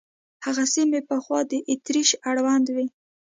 هغه سیمې پخوا د اتریش اړوند وې.